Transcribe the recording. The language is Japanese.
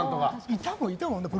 いたもん、いたもん。